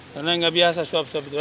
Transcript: karena nggak biasa suap suap itu ya